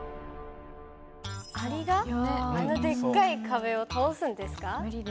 アリがあのでっかい壁を倒すんですか？